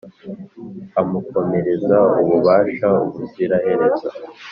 amukomereza ububasha ubuziraherezo,